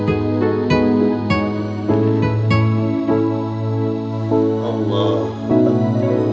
assalamualaikum warahmatullahi wabarakatuh